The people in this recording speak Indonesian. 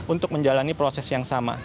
untuk menjalani proses yang sama